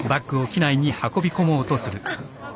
あっ。